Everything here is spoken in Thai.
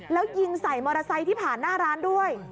แล้วยิงใส่มอเตอร์ไซค์ที่ผ่านหน้าร้านด้วย